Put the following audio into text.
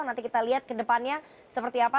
nanti kita lihat ke depannya seperti apa